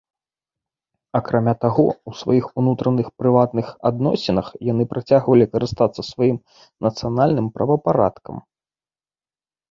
Акрамя таго, у сваіх унутраных прыватных адносінах яны працягвалі карыстацца сваім нацыянальным правапарадкам.